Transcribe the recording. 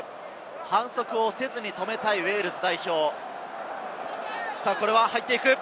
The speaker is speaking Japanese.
反則せずに止めたウェールズ代表。